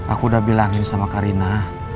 aku udah bilangin sama karina